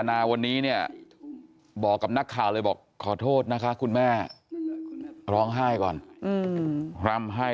ไม่เคยมีใครบอกแล้วว่าลูกคุณแม่หายไปไหน